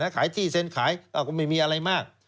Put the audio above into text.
ขายที่เซ็นขายก็ไม่มีอะไรมาก